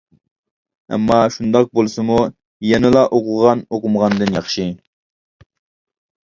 ئەمما شۇنداق بولسىمۇ يەنىلا ئوقۇغان ئوقۇمىغاندىن ياخشى.